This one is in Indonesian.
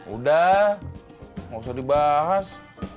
udah gak usah dibahas